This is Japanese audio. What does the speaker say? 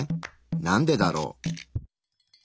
なんでだろう？